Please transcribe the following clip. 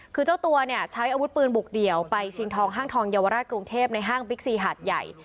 คือเจ้าตัวเนี่ยใช้อาวุธปืนบุกเดี่ยวไปชิงทองห้างทองเยาวราชกรุงเทพในห้างบิ๊กซีหาดใหญ่